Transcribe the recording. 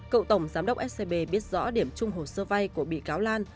cậu tổng giám đốc scb biết rõ điểm trung hồ sơ vai của bị cáo lan